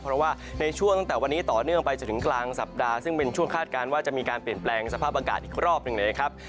เพราะว่าในช่วงตั้งแต่วันนี้ต่อเนื่องไปจนถึงกลางสัปดาห์ซึ่งเป็นช่วงคาดการณ์ว่าจะมีการเปลี่ยนแปลงสภาพอากาศอีกรอบหนึ่งเลยนะครับ